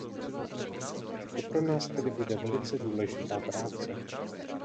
To pro nás tedy bude velice důležitá práce.